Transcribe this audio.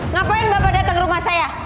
ngapain bapak datang ke rumah saya